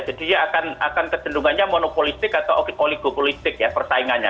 jadi dia akan kecenderungannya monopolisik atau oligopolisik ya persaingannya